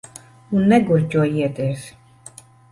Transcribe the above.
Un negurķojieties.